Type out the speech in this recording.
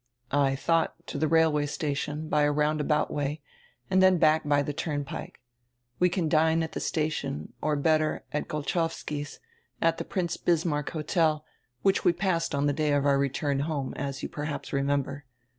"I thought, to the railway station, by a roundabout way, and then back by the turnpike. We can dine at the station or, better, at Golchowski's, at the Prince Bismarck Hotel, which we passed on the day of our return home, as you perhaps remember.